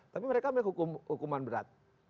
tapi mereka memiliki hukuman berat